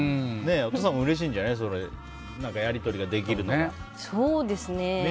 お父さんもうれしいんじゃないやり取りができるから。